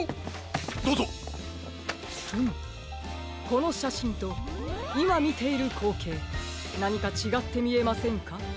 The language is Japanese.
このしゃしんといまみているこうけいなにかちがってみえませんか？